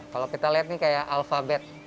kalau kita lihat nih kayak alphabet